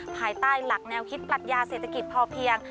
ภายใต้หลักแนวคิดปรัชญาเศรษฐกิจพอเพียง